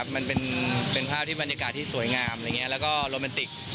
มันเป็นภาพที่บรรยากาศที่สวยงามแล้วก็โรแมนติก